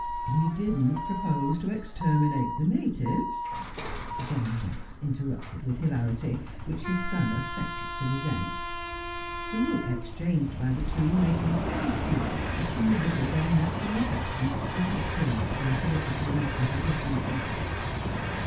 He didn't propose to exterminate the natives " John Jacks interrupted with hilarity, which his son affected to resent: the look exchanged by the two making pleasant proof of how little their natural affection was disturbed by political and other differences.